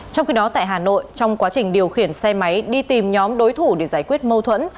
trong khi đó tại hà nội trong quá trình điều khiển xe máy đi tìm nhóm đối thủ để giải quyết mâu thuẫn